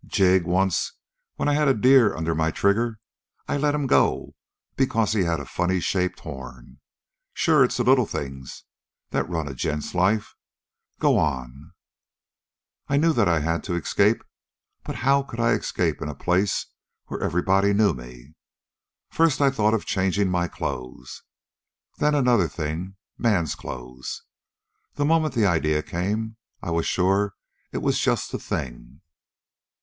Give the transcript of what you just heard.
"Jig, once when I had a deer under my trigger I let him go because he had a funny shaped horn. Sure, it's the little things that run a gent's life. Go on!" "I knew that I had to escape. But how could I escape in a place where everybody knew me? First I thought of changing my clothes. Then another thing man's clothes! The moment that idea came, I was sure it was the thing.